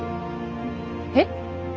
えっ？